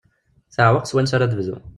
Teɛweq s wansa ara d-tebdu.